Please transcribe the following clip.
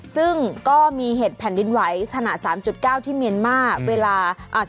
ซึ่งก็มีเหตุแผ่นดินไหวขนาด๓๙ที่เมียนมาร์เวลา